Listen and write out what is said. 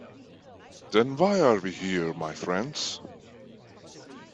Then why are we here, my friends?